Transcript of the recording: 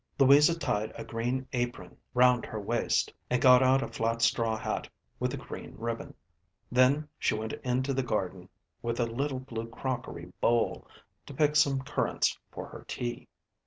Louisa tied a green apron round her waist, and got out a flat straw hat with a green ribbon. Then she went into the garden with a little blue crockery bowl, to pick some currants for her tea.